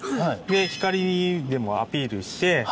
光でもアピールして。